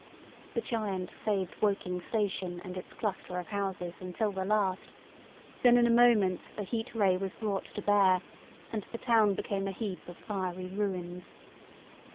The giant saved Woking station and its cluster of houses until the last; then in a moment the Heat Ray was brought to bear, and the town became a heap of fiery ruins.